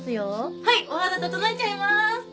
はいお肌整えちゃいます。